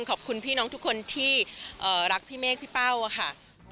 ขอบคุณพี่น้องทุกคนที่รักพี่เมฆพี่เป้าค่ะ